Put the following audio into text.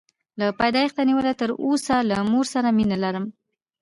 له پیدایښته نیولې تر اوسه له مور سره مینه لرم.